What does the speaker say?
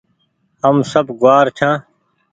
هم سب گوآر ڇآن